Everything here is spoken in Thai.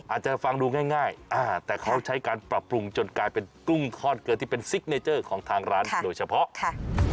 อาจจะฟังดูง่ายแต่เขาใช้การปรับปรุงจนกลายเป็นกุ้งทอดเกลือที่เป็นซิกเนเจอร์ของทางร้านโดยเฉพาะค่ะ